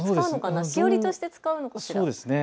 しおりとして使うのかしら？